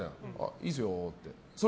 いいですよって。